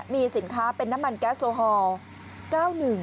มีสินค้าเป็นน้ำมันแก๊สโซฮอล์๙๑